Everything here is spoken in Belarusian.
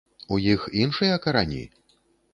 У іх іншыя карані?